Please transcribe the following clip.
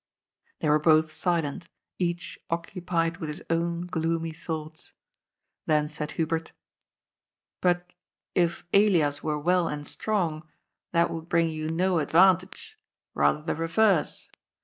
They were both silent, each occupied with his own gloomy thoughts. Then said Hubert :^' But, if Elias were well and strong, that would bring you no advantage. Bather the reverse.